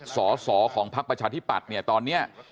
สอสอของพักประชาธิปัตย์เนี่ยตอนนี้